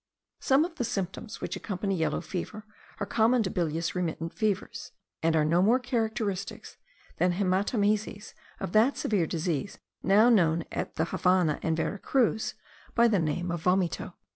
Some of the symptoms which accompany yellow fever are common to bilious remittent fevers; and are no more characteristic than haematemeses of that severe disease now known at the Havannah and Vera Cruz by the name of vomito.